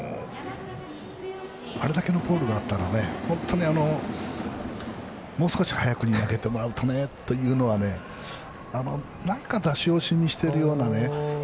あれだけのボールがあったらもう少し早くに投げてもらうとねというのが出し惜しみしてるようなね